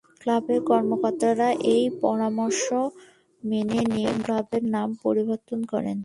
ক্লাবের কর্মকর্তারা এই পরামর্শ মেনে নিয়ে ক্লাবের নাম পরিবর্তন করেন।